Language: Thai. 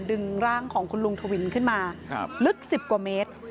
ดึงร่างของคุณลุงทวินขึ้นมาลึก๑๐กว่าเมตร